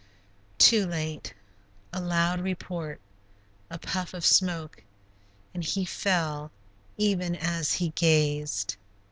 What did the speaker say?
Too late. A loud report, a puff of smoke, and he fell, even as he gazed.